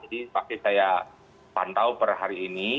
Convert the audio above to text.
jadi saya pantau per hari ini